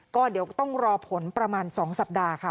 ก็เดี๋ยวต้องรอผลประมาณ๒สัปดาห์ค่ะ